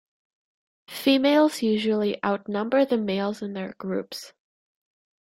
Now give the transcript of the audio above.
Females usually outnumber the males in their groups.